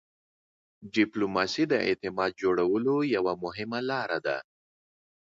ډيپلوماسي د اعتماد جوړولو یوه مهمه لار ده.